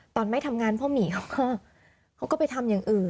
ตอนไม่ทำงานพ่อหมีเขาก็ไปทำอย่างอื่น